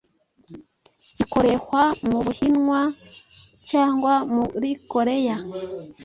ikorehwa mubuhinwa, cyangwa murikoreya,